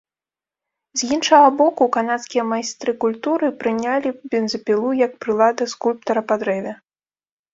З іншага боку, канадскія майстры культуры прынялі бензапілу як прылада скульптара па дрэве.